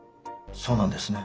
そうなんですね。